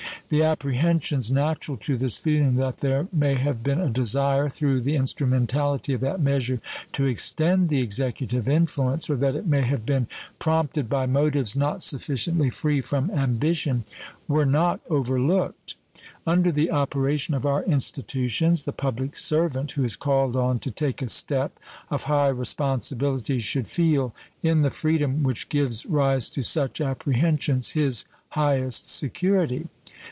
The apprehensions natural to this feeling that there may have been a desire, through the instrumentality of that measure, to extend the Executive influence, or that it may have been prompted by motives not sufficiently free from ambition, were not over looked. Under the operation of our institutions the public servant who is called on to take a step of high responsibility should feel in the freedom which gives rise to such apprehensions his highest security.